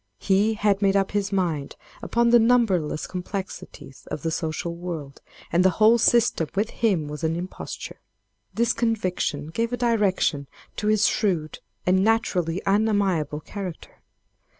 He had made up his mind upon the numberless complexities of the social world, and the whole system with him was an imposture. This conviction gave a direction to his shrewd and naturally unamiable character.